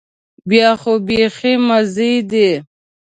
بیا خو بيخي مزې دي.